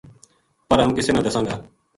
پر ہم کِسے نا دساں گا۔